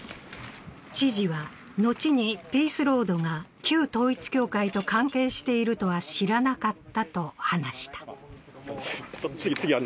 知事は、後にピースロードが旧統一教会と関係しているとは知らなかったと話した。